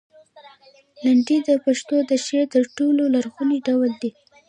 لنډۍ د پښتو د شعر تر ټولو لرغونی ډول دی.